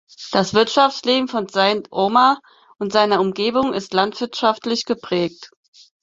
Das Wirtschaftsleben von Saint-Omer und seiner Umgebung ist landwirtschaftlich geprägt.